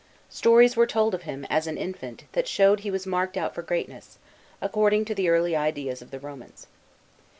Stories were told of him, as an infant, that showed he was marked out for greatness, according to the early ideas of the Homans.